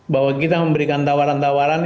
bahwa kita memberikan tawaran tawaran